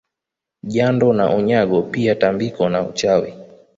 Jando na Unyago pia tambiko na uchawi